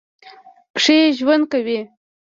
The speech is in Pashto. کښې ژؤند کوي